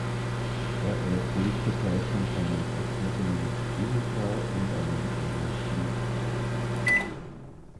Er erzählt dabei von seiner verstorbenen Ehefrau und einem ihrer Liebhaber.